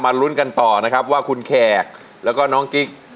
ลุ้นกันต่อนะครับว่าคุณแขกแล้วก็น้องกิ๊ก